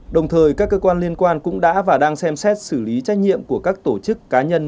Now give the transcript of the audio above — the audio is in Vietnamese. đồng thời các cơ quan liên quan cũng đã và đang xem xét xử lý trách nhiệm của các tổ chức cá nhân